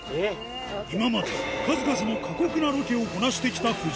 今まで数々の過酷なロケをこなしてきた夫人。